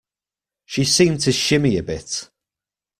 She seemed to shimmy a bit.